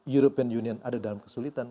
european union ada dalam kesulitan